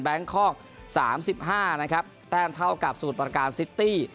แบงค์คอกสามสิบห้านะครับแต้มเท่ากับสูตรประการซิตี้